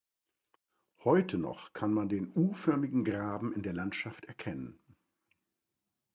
Heute noch kann man den u-förmigen Graben in der Landschaft erkennen.